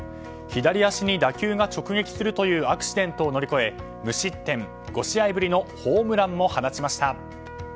左足に打球が直撃するというアクシデントを乗り越え無失点５試合ぶりのホームランも放ちました。